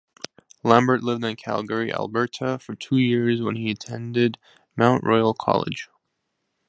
Lambert lived in Calgary, Alberta for two years, where he attended Mount Royal College.